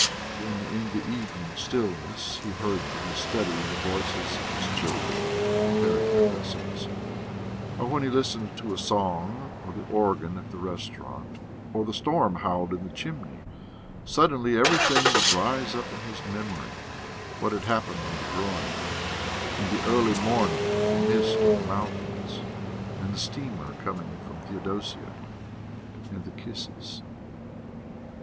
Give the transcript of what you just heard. When in the evening stillness he heard from his study the voices of his children, preparing their lessons, or when he listened to a song or the organ at the restaurant, or the storm howled in the chimney, suddenly everything would rise up in his memory: what had happened on the groyne, and the early morning with the mist on the mountains, and the steamer coming from Theodosia, and the kisses.